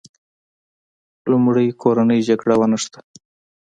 لومړی کورنۍ جګړه ونښته.